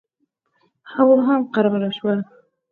هوا هم قراره شوه.